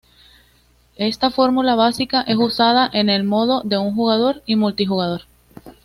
Esta fórmula básica es usada en el modo de un jugador y multijugador.